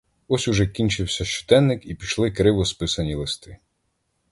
Ось уже кінчився щоденник, і пішли криво списані листи.